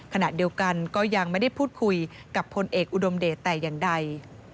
ขณะเดียวกันก็ยังไม่ได้พูดคุยกับพลเอกอุดมเดชแต่อย่างใด